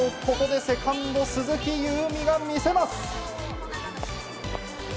ここでセカンド、鈴木夕湖が見せます。